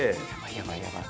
やばいやばい。